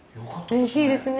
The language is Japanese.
うれしいですね。